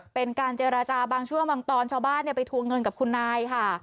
เป็นการเจรจาบางช่วงบางตอนชาวบ้านไปทวงเงินกับคุณนายค่ะ